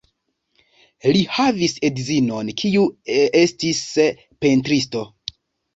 Li havis edzinon, kiu estis pentristo.